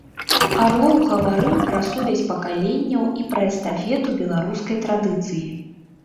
Арлоў гаварыў пра сувязь пакаленняў і пра эстафету беларускай традыцыі.